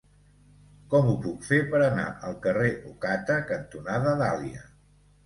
Com ho puc fer per anar al carrer Ocata cantonada Dàlia?